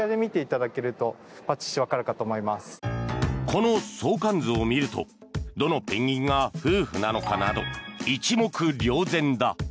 この相関図を見るとどのペンギンが夫婦なのかなど一目瞭然だ。